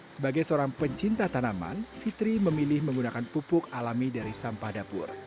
sebagai seorang pencinta tanaman fitri memilih menggunakan pupuk alami dari sampah dapur